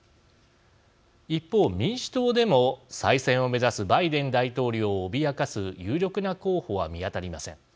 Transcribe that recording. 一方民主党でも再選を目指すバイデン大統領を脅かす有力な候補は見当たりません。